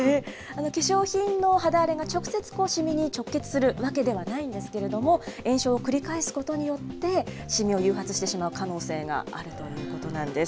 化粧品の肌荒れが直接、染みに直結するわけではないんですけれども、炎症を繰り返すことによって、染みを誘発してしまう可能性があるということなんです。